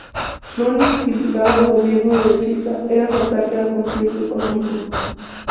Lo único que criticaba del gobierno derechista era su ataque al Concierto económico.